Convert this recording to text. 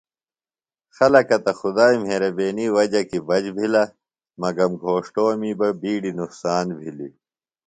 خلکہ تہ خدائی مھرَبینی وجہ کیۡ بچ بِھلہ مگم گھوݜٹومی بہ بِیڈیۡ نقصان بِھلیۡ۔